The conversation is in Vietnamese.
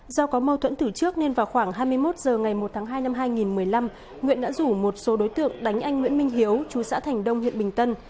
do có mâu thuẫn thử trước nên vào khoảng hai mươi một h ngày một tháng hai năm hai nghìn một mươi năm nguyễn đã rủ một số đối tượng đánh anh nguyễn minh hiếu chú xã thành đông huyện bình tân